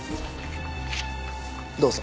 どうぞ。